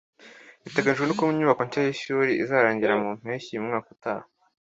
Biteganijwe ko inyubako nshya y’ishuri izarangira mu mpeshyi umwaka utaha.